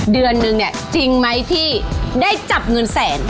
เดือนนึงเนี่ยจริงไหมที่ได้จับเงินแสน